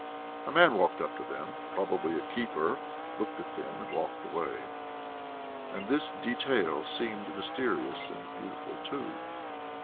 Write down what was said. A man walked up to them probably a keeper looked at them and walked away. And this detail seemed mysterious and beautiful, too.